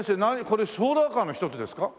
これはソーラーカーの一つですか？